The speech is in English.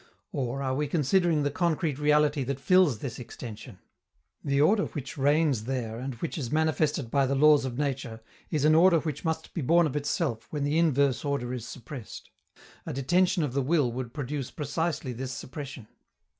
Or, are we considering the concrete reality that fills this extension? The order which reigns there, and which is manifested by the laws of nature, is an order which must be born of itself when the inverse order is suppressed; a detension of the will would produce precisely this suppression.